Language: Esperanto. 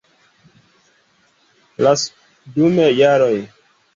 Dum la jaroj oni esploris multe en pli aŭ malpli atingeblaj medioj.